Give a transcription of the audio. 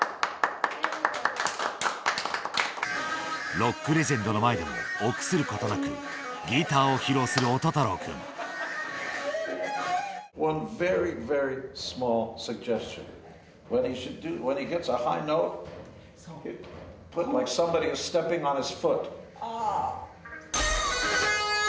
ロックレジェンドの前でも臆することなくギターを披露する音太朗君ワンツースリー。